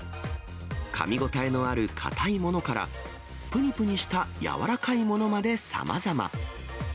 かみ応えのある硬いものから、ぷにぷにした柔らかいものまでさまざま。